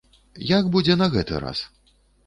Як будзе на гэты раз?